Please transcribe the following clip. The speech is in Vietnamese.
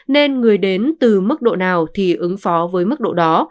nên người đến từ mức độ nào thì ứng phó với mức độ đó